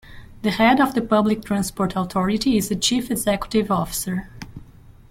The head of the Public Transport Authority is the Chief Executive Officer.